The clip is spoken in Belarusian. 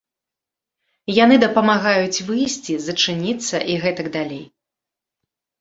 Яны дапамагаюць выйсці, зачыніцца і гэтак далей.